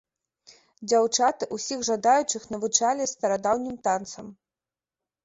Дзяўчаты ўсіх жадаючых навучалі старадаўнім танцам.